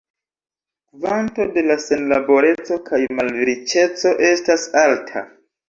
Kvanto de la senlaboreco kaj malriĉeco estas alta.